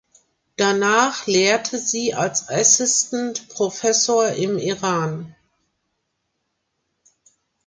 Danach lehrte sie als Assistant Professor im Iran.